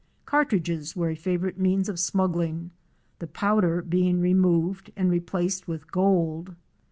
Cartridges were a favorite means of smuggling, the powder being removed and replaced with gold.